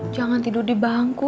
jangan tidur di bangku